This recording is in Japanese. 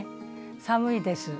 寒いです。